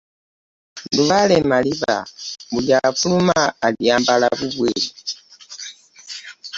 Lubaale malibu buli afuluma ayambala bubwe .